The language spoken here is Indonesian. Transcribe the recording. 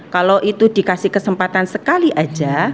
kalau itu dikasih kesempatan sekali aja